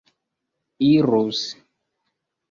irus